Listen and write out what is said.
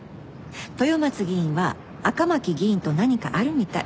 豊松議員は赤巻議員と何かあるみたい。